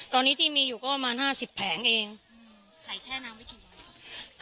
ตอนนี้ที่มีอยู่ก็ประมาณห้าสิบแผงเองไข่แช่น้ำไม่ถูก